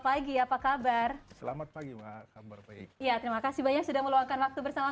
pagi apa kabar selamat pagi mbak kabar baik ya terima kasih banyak sudah meluangkan waktu bersama